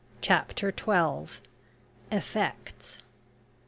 CHAPTER TWELVE. EFFECTS.